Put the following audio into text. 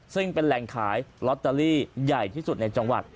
ซึ่งเป็นแหล่งขายลอตเตอรี่ใหญ่ที่สุดในจังหวัด